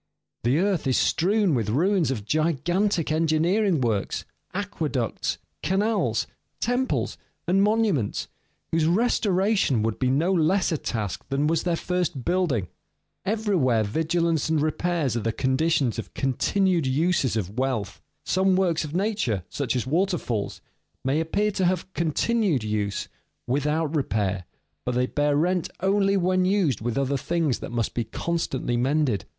The earth is strewn with ruins of gigantic engineering works, aqueducts, canals, temples, and monuments, whose restoration would be no less a task than was their first building. Everywhere vigilance and repairs are the conditions of continued uses of wealth. Some works of nature, such as waterfalls, may appear to have a continued use without repair, but they bear rent only when used with other things that must be constantly mended.